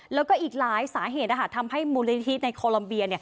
แล้วก็อีกหลายสาเหตุทำให้มูลนิธิในโคลัมเบีย